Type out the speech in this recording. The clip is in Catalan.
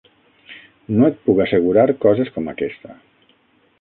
No et puc assegurar coses com aquesta.